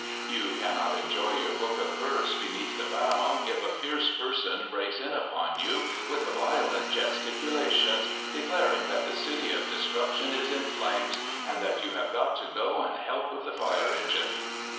You cannot enjoy your book of verse beneath the bough if a fierce person breaks in upon you with violent gesticulations, declaring that the City of Destruction is in flames and that you have got to go and help with the fire engine.